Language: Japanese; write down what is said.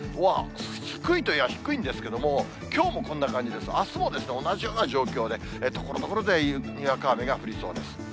低いといえば低いんですけれども、きょうもこんな感じで、あすもですね、同じような状況で、ところどころでにわか雨が降りそうです。